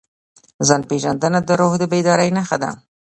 ځان پېژندنه د روح د بیدارۍ نښه ده.